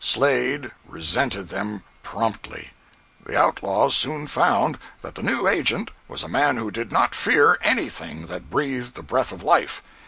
Slade resented them promptly. The outlaws soon found that the new agent was a man who did not fear anything that breathed the breath of life.